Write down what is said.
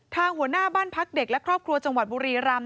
หัวหน้าบ้านพักเด็กและครอบครัวจังหวัดบุรีรำ